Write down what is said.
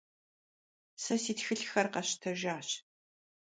Сэ си тхылъхэр къэсщтэжащ.